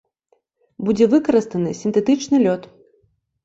Будзе выкарыстаны сінтэтычны лёд.